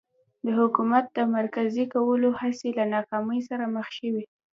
د حکومت د مرکزي کولو هڅې له ناکامۍ سره مخ شوې.